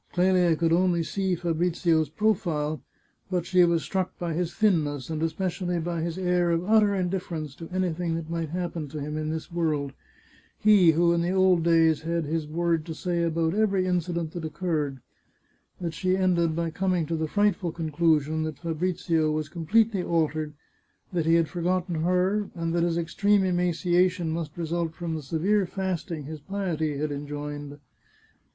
Clelia could only see Fabrizio's profile, but she was so struck by his thinness, and especially by his air of utter indifference to anything that might happen to him in this world — he, who in old days had his word to say about every incident that occurred — that she ended by coming to the frightful conclusion that Fabrizio was completely altered, that he had forgotten her, and that his extreme emaciation must result from the severe fasting his piety had enjoined.